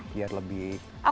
biar lebih aman